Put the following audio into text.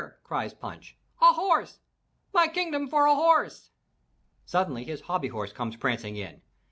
cries Punch, "a horse! My Kingdom for a horse!" Suddenly his hobby horse comes prancing in.